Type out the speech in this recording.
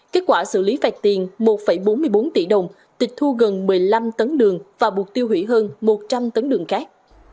kết quả xử lý phạt tiền một bốn mươi bốn tỷ đồng tịch thu gần một mươi năm tấn đường và buộc tiêu hủy hơn một trăm linh tấn đường cát